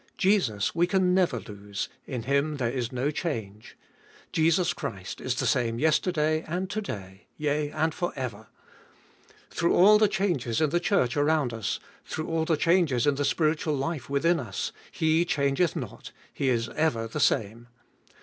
Jesus we can never lose, — in Him there is no change. Jesus Christ is the same yesterday and to day, yea and for ever. Through 526 tTbe 1)olie0t of all the changes in the Church around us, through all the changes in the spiritual life within us, He changeth not, — He is ever the same.